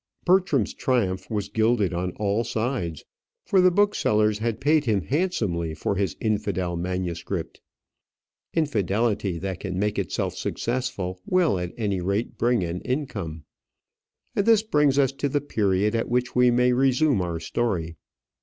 Bertram's triumph was gilded on all sides; for the booksellers had paid him handsomely for his infidel manuscript. Infidelity that can make itself successful will, at any rate, bring an income. And this brings us to the period at which we may resume our story.